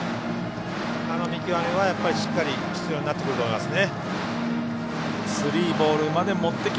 あの見極めはしっかり必要になってくると思いますね。